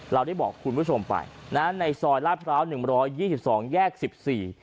เราได้บอกคุณผู้ชมไปนะในซอยลาดพร้าวหนึ่งร้อยยี่สิบสองแยกสิบสี่